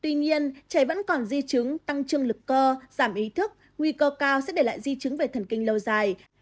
tuy nhiên trẻ vẫn còn di chứng tăng chương lực cơ giảm ý thức nguy cơ cao sẽ để lại di chứng về thần kinh lâu dài